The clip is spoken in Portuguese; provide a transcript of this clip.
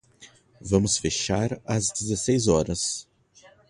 Vamos fechar às dezesseis horas.